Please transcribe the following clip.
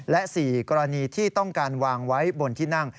และ๔กรณีที่ต้องการวางไว้บนที่นั่ง